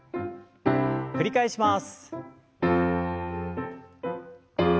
繰り返します。